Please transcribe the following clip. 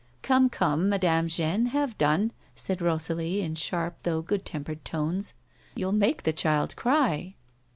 " Come, come, Madame Jeanne, have done," said Rosalie, ill sharp, though good tempered tones ]" you'll make the child cry."